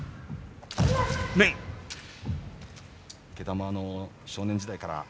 池田も少年時代から。